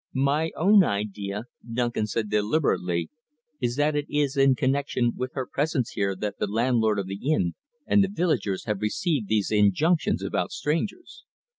"My own idea," Duncan said deliberately, "is that it is in connection with her presence here that the landlord of the inn and the villagers have received these injunctions about strangers.